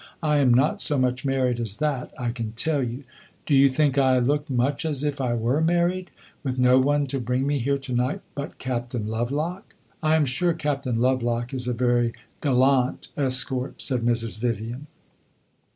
"I am not so much married as that, I can tell you! Do you think I look much as if I were married, with no one to bring me here to night but Captain Lovelock?" "I am sure Captain Lovelock is a very gallant escort," said Mrs. Vivian.